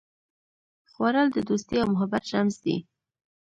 خوړل د دوستي او محبت رمز دی